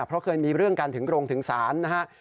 เพราะเคยมีเรื่องกันถึงโรงถึงศาลนะครับ